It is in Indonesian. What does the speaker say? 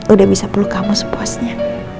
udah bisa perlu kamu sepuasnya